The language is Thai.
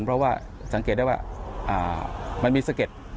เพราะว่าสังเกตได้ว่ามันมีสะเก็ด